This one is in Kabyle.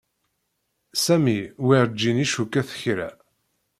Sami werǧin icukket kra.